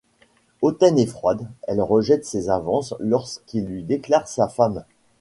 Hautaine et froide, elle rejette ses avances lorsqu'il lui déclare sa femme.